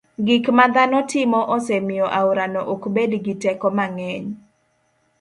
gik ma dhano timo osemiyo aorano ok bed gi teko mang'eny.